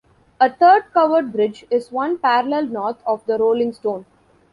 A third covered bridge is one parallel north of the Rolling Stone.